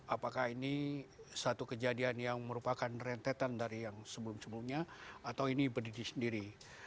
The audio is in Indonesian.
apakah ini satu kejadian yang merupakan rentetan dari yang sebelum sebelumnya atau ini berdiri sendiri